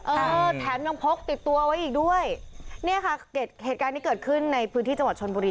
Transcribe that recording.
เออแถมยังพกติดตัวไว้อีกด้วยเนี่ยค่ะเหตุการณ์ที่เกิดขึ้นในพื้นที่จังหวัดชนบุรี